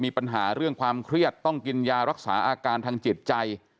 มีปัญหาเรื่องความเครียดต้องกินยารักษาอาการทางจิตใจ